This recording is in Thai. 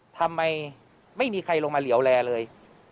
ทำไมไม่มีใครลงมาเหลี่ยวแลเลย